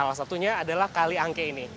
yang terakhir adalah kaliangke ini